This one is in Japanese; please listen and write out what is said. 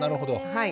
はい。